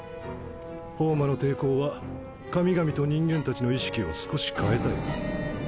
ホウマの抵抗は神々と人間たちの意識を少し変えたよ。